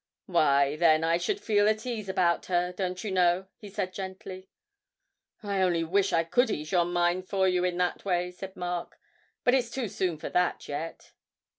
'Why, then I should feel at ease about her, don't you know,' he said gently. 'I only wish I could ease your mind for you in that way,' said Mark, 'but it's too soon for that yet.'